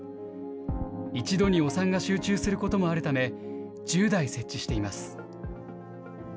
一度にお産が集中することもあるため、１０台設置しています。